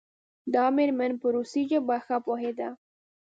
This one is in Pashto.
دا میرمن په روسي ژبه ښه پوهیده.